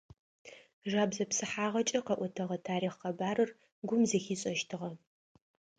Жэбзэ псыхьагъэкӏэ къэӏотэгъэ тарихъ къэбарыр гум зэхишӏэщтыгъэ.